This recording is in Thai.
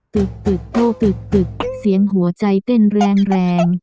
ตึกตึกโต้ตึกเสียงหัวใจเต้นแรง